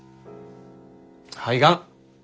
肺がん。